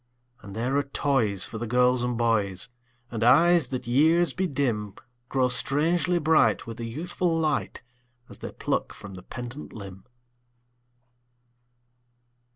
And there are toys for the girls and boys; And eyes that years bedim Grow strangely bright, with a youthful light, As they pluck from the pendant limb.